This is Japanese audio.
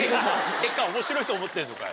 結果面白いと思ってんのかよ。